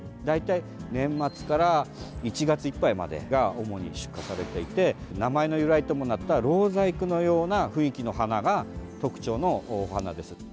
大体、年末から１月いっぱいまでが主に出荷されていて名前の由来ともなったろう細工のような雰囲気の花が特徴の花です。